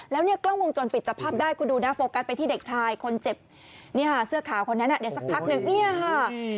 แล้วเนี่ยกล้องวงจรปิดจับภาพได้คุณดูนะโฟกัสไปที่เด็กชายคนเจ็บเนี่ยค่ะเสื้อขาวคนนั้นเดี๋ยวสักพักหนึ่งเนี่ยค่ะ